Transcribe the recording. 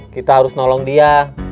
kita harus nolong dia